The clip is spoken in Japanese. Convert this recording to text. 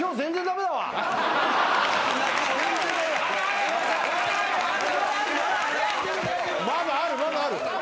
まだあるまだある。